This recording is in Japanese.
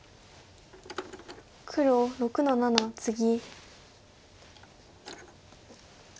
黒６の七ツギ。